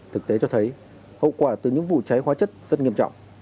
thực tế cho thấy hậu quả từ những vụ cháy hóa chất rất nghiêm trọng